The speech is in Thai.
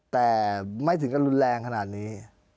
แต่ไม่ถึงกับรุนแรงขนาดนี้